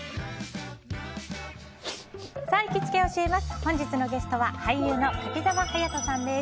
本日のゲストは俳優の柿澤勇人さんです。